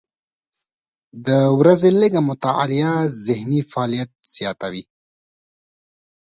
د ورځې لږه مطالعه ذهني فعالیت زیاتوي.